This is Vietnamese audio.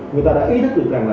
người ta đã ý thức được rằng